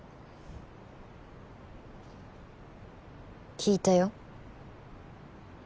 聞いたよ